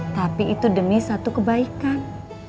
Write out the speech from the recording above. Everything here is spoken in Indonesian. tapi itu demi satu kebaikan